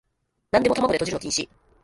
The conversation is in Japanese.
なんでも玉子でとじるの禁止